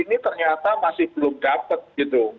ini ternyata masih belum dapat gitu